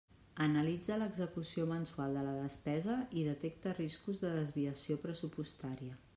Analitza l'execució mensual de la despesa i detecta riscos de desviació pressupostària.